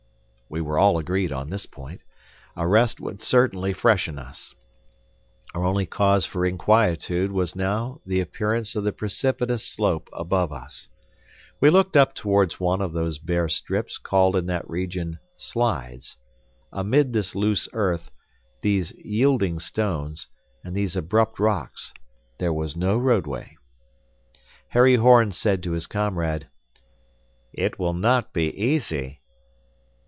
We were all agreed on this point. A rest would certainty freshen us. Our only cause for inquietude was now the appearance of the precipitous slope above us. We looked up toward one of those bare strips called in that region, slides. Amid this loose earth, these yielding stones, and these abrupt rocks there was no roadway. Harry Horn said to his comrade, "It will not be easy."